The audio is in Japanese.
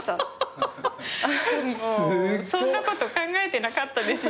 そんなこと考えてなかったですよ。